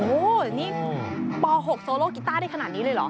โอ้โหนี่ป๖โซโลกีต้าได้ขนาดนี้เลยเหรอ